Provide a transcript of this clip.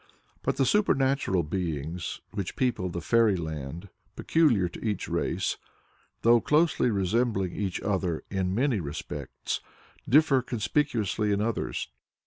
But the supernatural beings which people the fairy land peculiar to each race, though closely resembling each other in many respects, differ conspicuously in others.